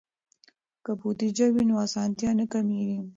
که بودیجه وي نو اسانتیا نه کمېږي.